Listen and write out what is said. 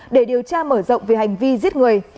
để điều tra mở rộng về hành vi giết người